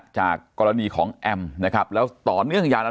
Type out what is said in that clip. จากกรณีของแอมนะครับแล้วต่อเนื่องยาวนาน